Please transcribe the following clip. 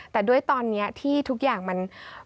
แต่ด้วยตอนนี้ที่ทุกอย่างมัน